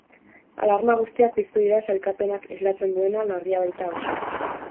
Alarma guztiak piztu dira sailkapenak islatzen duena larria baita oso.